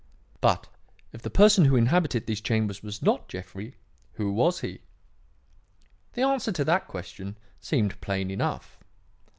"But, if the person who inhabited these chambers was not Jeffrey, who was he? "The answer to that question seemed plain enough.